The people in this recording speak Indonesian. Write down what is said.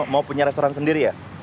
mau punya restoran sendiri ya